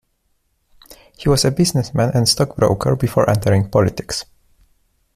He was a businessman and stockbroker before entering politics.